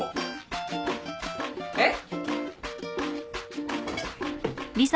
えっ？